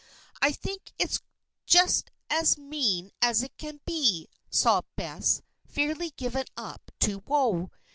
"I think it's just as mean as it can be!" sobbed Bess, fairly given up to woe.